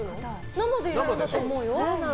生で入れるんだと思うよ。